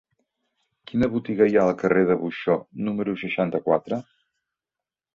Quina botiga hi ha al carrer de Buxó número seixanta-quatre?